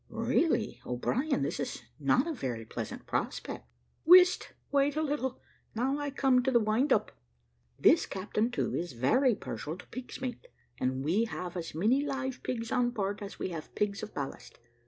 "Really, O'Brien, this is not a very pleasant prospect." "Whist! wait a little; now I come to the wind up. This Captain To is very partial to pig's mate, and we have as many live pigs on board as we have pigs of ballast.